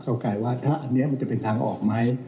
เขากลายว่าถ้าอันนี้เป็นทางออกไหม